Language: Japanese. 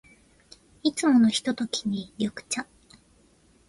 いつものひとときに、緑茶。